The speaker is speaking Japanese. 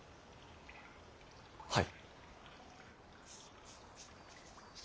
はい。